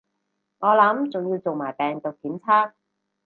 我諗仲要做埋病毒檢測